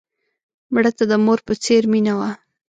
مړه ته د مور په څېر مینه وه